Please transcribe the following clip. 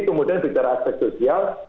kemudian bicara aspek sosial